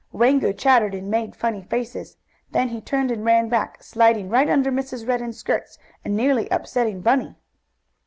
Wango chattered, and made funny faces. Then he turned and ran back, sliding right under Mrs. Redden's skirts, and nearly upsetting Bunny.